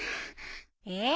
えっ？